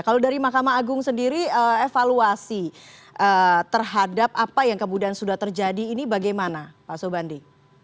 kalau dari mahkamah agung sendiri evaluasi terhadap apa yang kemudian sudah terjadi ini bagaimana pak sobandi